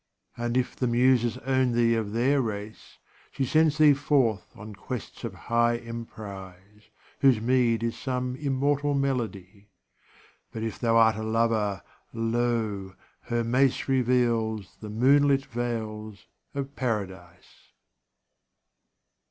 And if the Muses own thee of their race, She sends thee forth on quests of high emprise, Whose meed is some immortal melody; But if thou art a lover, lo ! her mace Reveals the moonlit vales of paradise.